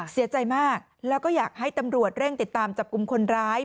เสียใจมากแล้วก็อยากให้ตำรวจเร่งติดตามจับกลุ่มคนร้าย